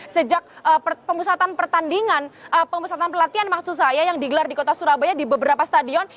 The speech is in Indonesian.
sejak pemusatan pertandingan pemusatan pelatihan maksud saya yang digelar di kota surabaya di beberapa stadion